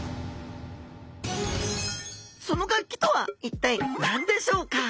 その楽器とは一体何でしょうか？